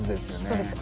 そうです。